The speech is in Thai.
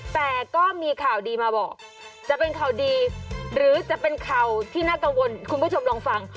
แต่ก็มีข่าวดีมาบอกจะเป็นข่าวดีหรือจะเป็นข่าวที่น่ากังวลคุณผู้ชมลองฟัง